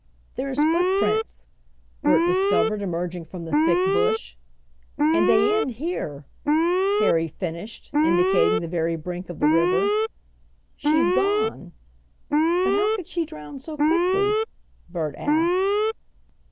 "There's footprints!" Bert discovered emerging from the thick bush. "And they end here!" Harry finished, indicating the very brink of the river. "She's gone!" "But how could she drown so quickly?" Bert asked.